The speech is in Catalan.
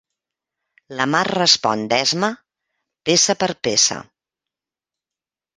La Mar respon d'esma, peça per peça.